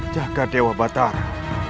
jaga dewa batara